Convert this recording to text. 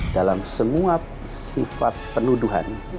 dalam semua sifat penuduhan